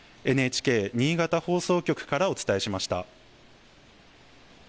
ＮＨＫ新潟放送局からお伝えしました。